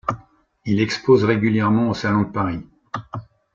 Il expose régulièrement au salon de Paris.